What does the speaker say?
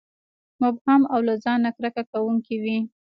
مبهم او له ځان نه کرکه کوونکي وي.